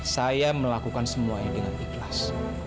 saya melakukan semuanya dengan ikhlas